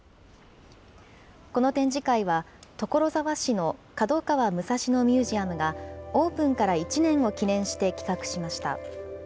この展示会は、所沢市の角川武蔵野ミュージアムがオープンから１年を記念して企画しました。